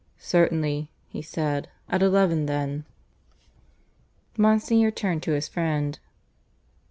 "Certainly," he said. "At eleven then." Monsignor turned to his friend.